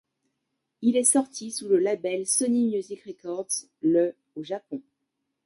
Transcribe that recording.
Il est sorti sous le label Sony Music Records le au Japon.